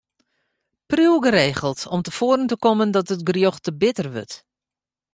Priuw geregeld om te foaren te kommen dat it gerjocht te bitter wurdt.